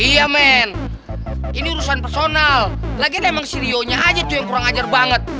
iya men ini urusan personal lagi emang sirio nya aja tuh yang kurang ajar banget